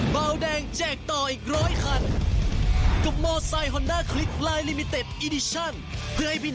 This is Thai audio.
โปรดติดตามตอนต่อไป